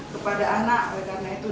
sebagai makanan takuan yang disaksikan